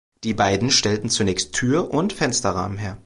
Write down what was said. Die beiden stellten zunächst Tür- und Fensterrahmen her.